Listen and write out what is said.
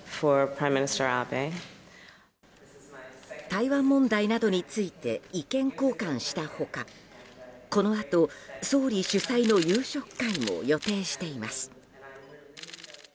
台湾問題などについて意見交換した他このあと総理主催の夕食会も予定しています。